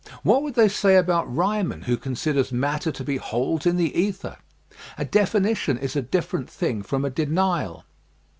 What would they say about Riemann who considers matter to be holes in the ether? A definition is a different thing from a denial.